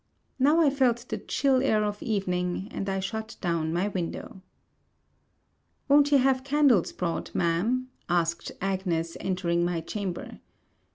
Now I felt the chill air of evening, and I shut down my window. 'Won't you have candles brought, Ma'am?' asked Agnes, entering my chamber.